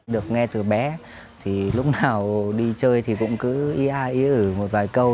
được nghe từ bé thì lúc nào đi chơi thì cũng cứ ý ai ý ở một vài câu